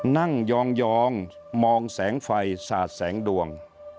นั่งยองมองแสงไฟสาดแสงดวง